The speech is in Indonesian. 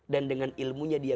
dan dengan ilmunya dia